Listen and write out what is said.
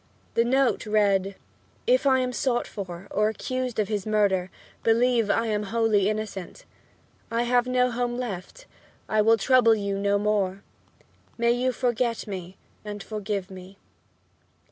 The note read: "If I am sought for or accused of his murder, believe I am wholly innocent. I have no home left, I will trouble you no more. May you forget me and forgive me."